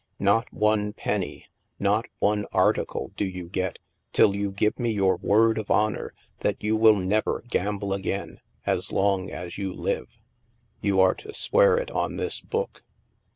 Not one penny, not one article, do you get, till you give me your word of honor that you will never gamble again, as long as yow live. You are to swear it on this book."